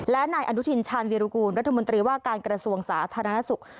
และนายอนุทินชาญวีรกูลรัฐมนตรีว่าการกระทรวงสาธารณสุข